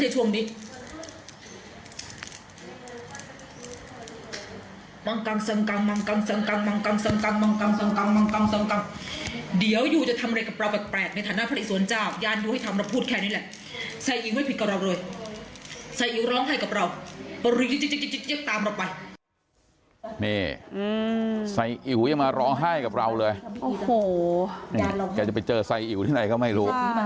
มังกังสังกังมังกังสังกังมังกังสังกังมังกังสังกังมังกังสังกังเดี๋ยวอยู่จะทำอะไรกับเราแบบแปลกในฐานะพลักษณ์สวรรค์เจ้ายานดูให้ทำแล้วพูดแค่นี้แหละใส่อิ๋วไม่ผิดกับเราเลยใส่อิ๋วร้องไห้กับเราตามเราไปนี่ใส่อิ๋วยังมาร้องไห้กับเราเลยโอ้โหแกจะไปเจอใส่อิ๋วที่ไหนก็ไม่ร